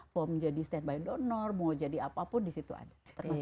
form jadi standby donor mau jadi apapun disitu ada